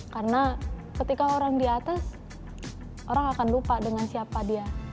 karena ketika orang di atas orang akan lupa dengan siapa dia